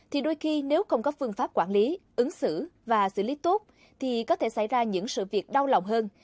thì đôi khi nếu không có phương pháp quản lý ứng xử và xử lý tốt thì có thể xảy ra những sự việc đau lòng hơn